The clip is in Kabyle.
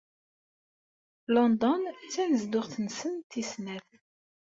London d tanezduɣt-nsen tis snat.